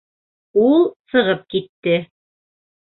Ул сығып китте.